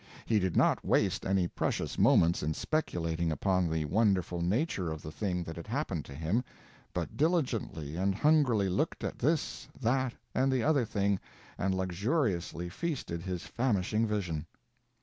He did not waste any precious moments in speculating upon the wonderful nature of the thing that had happened to him, but diligently and hungrily looked at this, that, and the other thing, and luxuriously feasted his famishing vision.